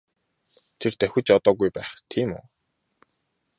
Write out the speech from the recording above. Тэр давхиж одоогүй байх тийм үү?